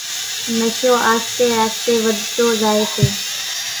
نشو آستي آستي وڌتو زائي سي،